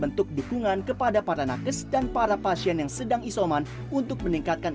bentuk dukungan kepada para nakes dan para pasien yang sedang isoman untuk meningkatkan